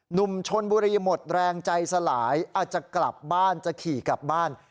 หนุ่มชนบุรีหมดแรงใจสลายอาจจะกลับบ้านจะขี่กลับบ้าน